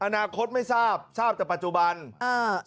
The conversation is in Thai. อนาคตไม่ทราบทราบแต่ปัจจุบันอ่า